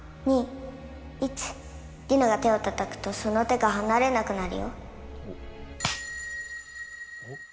りのが手をたたくとその手が離れなくなるよ。